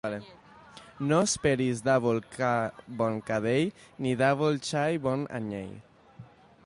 No esperis d'àvol ca bon cadell, ni d'àvol xai bon anyell.